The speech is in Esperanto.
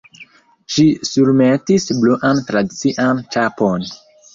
Ŝi surmetis bluan tradician ĉapon.